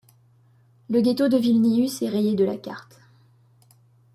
Le ghetto de Vilnius est rayé de la carte.